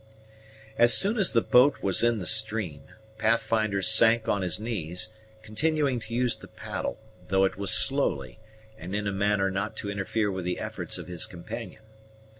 As soon as the boat was in the stream, Pathfinder sank on his knees, continuing to use the paddle, though it was slowly, and in a manner not to interfere with the efforts of his companion.